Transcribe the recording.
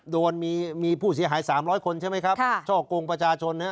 โดนมีมีผู้เสียหายสามร้อยคนใช่ไหมครับค่ะช่อกลงประชาชนเนี่ย